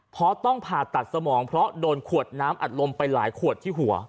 เพราะต้องผ่าตัดสมองเพราะโดนขวดน้ำอัดลมไปหลายขวดที่หัว